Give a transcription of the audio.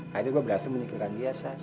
akhirnya gue berhasil menyikirkan dia sas